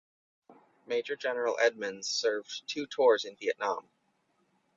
Maj Gen Edmonds served two tours in Vietnam.